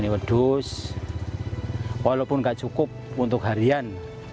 wedus walaupun nggak cukup untuk harian